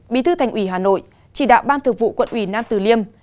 bí thư thành ủy hà nội chỉ đạo ban thực vụ quận ủy nam tử liêm